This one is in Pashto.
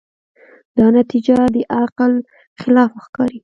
دا نتیجه د عقل خلاف ښکاري.